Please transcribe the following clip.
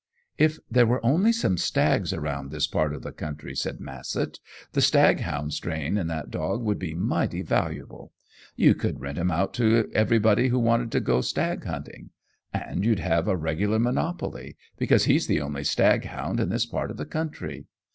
"If there were only some stags around this part of the country," said Massett, "the stag hound strain in that dog would be mighty valuable. You could rent him out to everybody who wanted to go stag hunting; and you'd have a regular monopoly, because he's the only staghound in this part of the country.